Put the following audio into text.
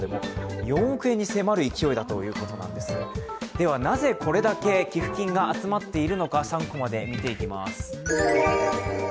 では、なぜこれだけ寄付金が集まっているのか、３コマで見ていきます。